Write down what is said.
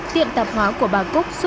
tiệm tạp hóa của bà nguyễn đức